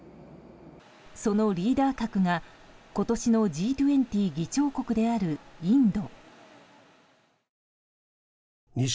そのリーダー格が今年のＧ２０議長国であるインド。